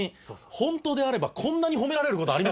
本当であればこんなに褒められる事はありません。